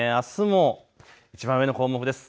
いちばん上の項目です。